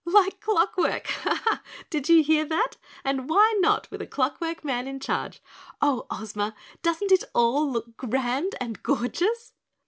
"Like clock work. Ha, ha! did you hear that, and why not with a clock work man in charge? Oh, Ozma, doesn't it all look grand and gorgeous?"